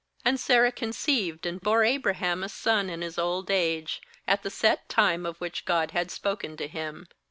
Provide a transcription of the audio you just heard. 2And" Sarah conceived, and bore Abra ham a son in his old age, at the set time of which God had spoken to him.